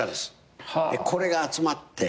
これが集まって。